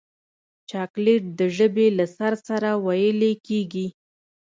چاکلېټ د ژبې له سر سره ویلې کېږي.